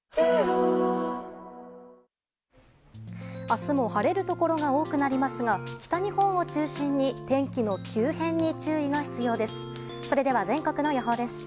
明日も晴れるところが多くなりますが北日本を中心に天気の急変に注意が必要です。